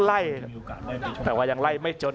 อัศวินาศาสตร์